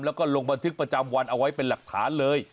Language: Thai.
แล้วก็ลงบันทึกประจำวันเอาไว้เป็นหลักฐานเลย